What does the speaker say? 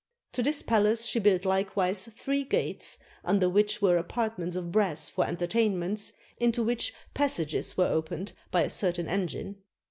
To this palace she built likewise three gates, under which were apartments of brass for entertainments, into which passages were opened by a certain engine.